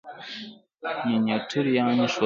منیټور یعني ښودان.